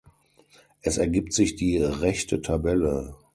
Es ergibt sich die rechte Tabelle.